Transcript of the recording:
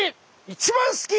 一番好き！